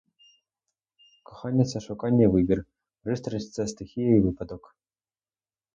Кохання — це шукання і вибір; пристрасть — це стихія і випадок.